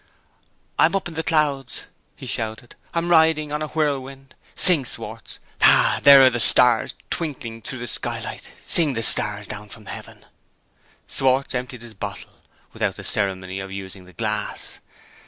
"I'm up in the clouds!" he shouted; "I'm riding on a whirlwind. Sing, Schwartz! Ha! there are the stars twinkling through the skylight! Sing the stars down from heaven!" Schwartz emptied his bottle, without the ceremony of using the glass.